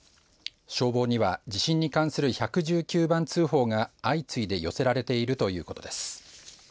消防には地震に関する１１９番通報が相次いで寄せられているということです。